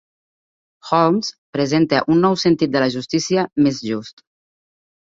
Holmes presenta un nou sentit de la justícia més just.